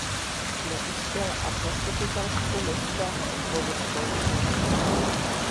Neuspěl a v zastupitelstvu městského obvodu skončil.